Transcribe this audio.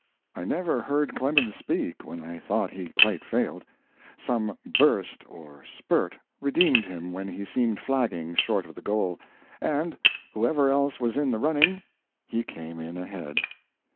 I never heard Clemens speak when I thought he quite failed; some burst or spurt redeemed him when he seemed flagging short of the goal, and, whoever else was in the running, he came in ahead.